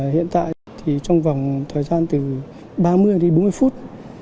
hiện tại thì trong vòng thời gian từ ba mươi đến bốn mươi phút